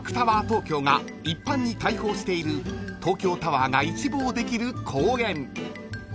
東京が一般に開放している東京タワーが一望できる公園］